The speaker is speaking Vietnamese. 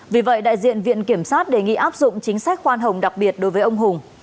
vì vậy đại diện viện kiểm sát đề nghị áp dụng chính sách khoan hồng đặc biệt đối với ông hùng